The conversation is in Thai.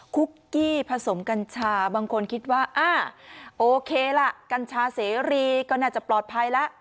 คุกกี้ผสมกัญชาบางคนคิดว่าอ่าโอเคล่ะกัญชาเสรีก็น่าจะปลอดภัยแล้ว